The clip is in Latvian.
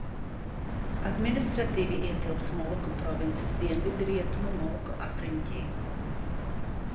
Administratīvi ietilpst Moluku provinces Dienvidrietumu Moluku apriņķī.